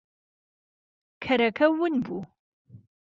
کەرەکە ون بوو.